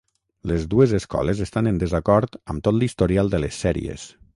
Les dues escoles estan en desacord amb tot l'historial de les sèries.